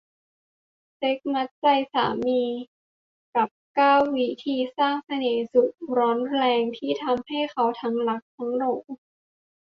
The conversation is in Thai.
เซ็กส์มัดใจสามี กับ เก้า วิธีสร้างเสน่ห์สุดร้อนแรงที่ทำให้เขาทั้งรักทั้งหลง